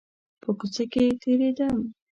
په کوڅه کښې تېرېدم .